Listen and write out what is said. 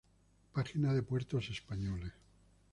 Página de Puertos españoles